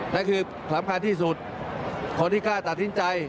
และคือสำคัญที่สุดคนที่กล้าตัดสินใจ